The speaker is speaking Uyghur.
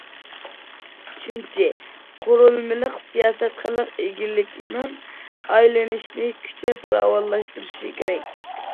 ئۈچىنچى، قۇرۇلمىلىق سىياسەت خەلق ئىگىلىكىنىڭ ئايلىنىشىنى كۈچەپ راۋانلاشتۇرۇشى كېرەك.